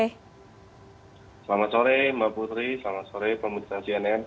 selamat sore mbak putri selamat sore pemerintah cnn